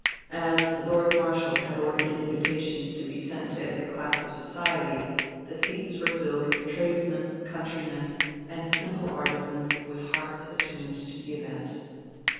And as the Lord Marshal had ordered invitations to be sent to every class of society, the seats were filled with tradesmen, countrymen, and simple artisans with hearts attuned to the event.